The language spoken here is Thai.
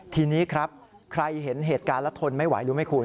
ทีนี้ครับใครเห็นเหตุการณ์แล้วทนไม่ไหวรู้ไหมคุณ